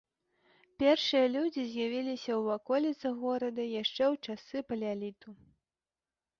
Першыя людзі з'явіліся ў ваколіцах горада яшчэ ў часы палеаліту.